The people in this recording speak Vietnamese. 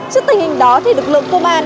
trước tình hình đó thì lực lượng công an